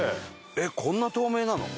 えっこんな透明なの？